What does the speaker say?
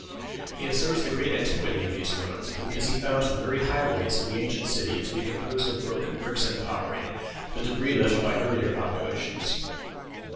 He asserts the great antiquity of these ruins, because he found the very highways of the ancient city to be composed of broken bricks and pottery, the débris left by earlier populations.